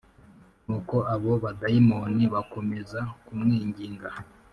Nuko abo badayimoni bakomeza kumwinginga